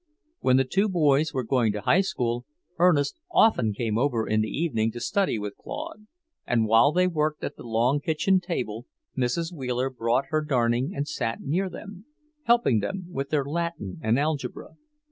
When the two boys were going to high school, Ernest often came over in the evening to study with Claude, and while they worked at the long kitchen table Mrs. Wheeler brought her darning and sat near them, helping them with their Latin and algebra.